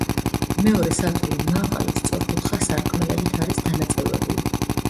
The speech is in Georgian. მეორე სართული მაღალი, სწორკუთხა სარკმლებით არის დანაწევრებული.